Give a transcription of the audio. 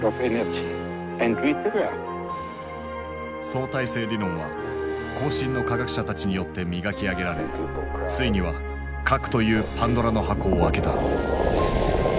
相対性理論は後進の科学者たちによって磨き上げられついには核というパンドラの箱を開けた。